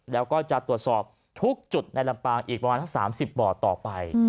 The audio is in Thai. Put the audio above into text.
แล้วก็จะตรวจสอบทุกจุดในลำปางอีกประมาณทั้ง๓๐บ่อต่อไป